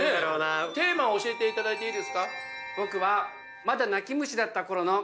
テーマを教えていただいていいですか？